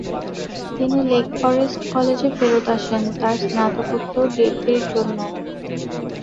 তিনি Lake Forest কলেজে ফেরত আসেন তার স্নাতকোত্তর ডিগ্রীর জন্য।